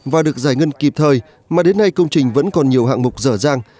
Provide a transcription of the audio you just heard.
và được giải ngân kịp thời mà đến nay công trình vẫn còn nhiều hạng mục dở dàng